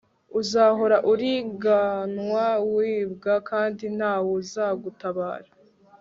uzahora uriganywa, wibwa kandi nta wuzagutabara